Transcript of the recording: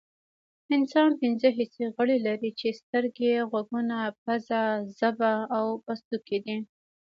انسان پنځه حسي غړي لري چې سترګې غوږونه پوزه ژبه او پوستکی دي